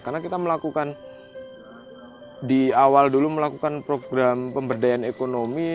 karena kita melakukan di awal dulu melakukan program pemberdayaan ekonomi